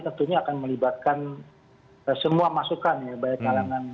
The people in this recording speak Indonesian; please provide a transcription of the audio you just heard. tentunya akan melibatkan semua masukan ya